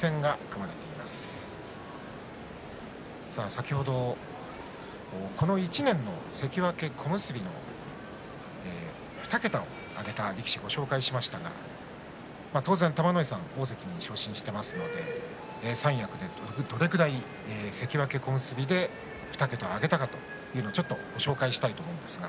先ほど、この１年の関脇小結の２桁力士を紹介しましたが当然、玉ノ井さん、大関に昇進していますので三役で、どれぐらい関脇小結で２桁を挙げたかというのを紹介します。